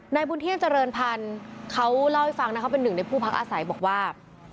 บุญเที่ยงเจริญพันธุ์เขาเล่าให้ฟังนะเขาเป็นหนึ่งในผู้พักอาศัยบอกว่า